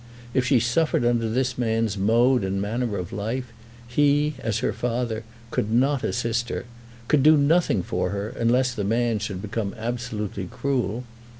If she suffered under this man's mode and manner of life, he, as her father, could not assist her, could do nothing for her, unless the man should become absolutely cruel.